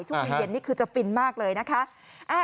ช่วงเย็นนี่คือจะฟินมากเลยนะคะ